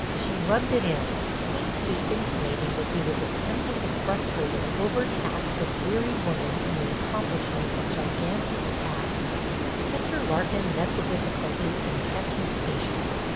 She rubbed it in, seemed to be intimating that he was attempting to frustrate an overtaxed and weary woman in the accomplishment of gigantic tasks. Mr. Larkin met the difficulties and kept his patience.